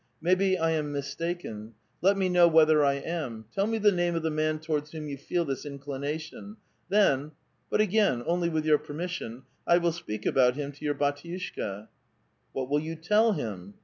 Maybe I am mistaken. Let mj know whether I am. Tell me the name of the man towards whom you feel this inclination. Then — but again, only with your permission — I will speak about him to your bdtiushka." ''What will you tell him?"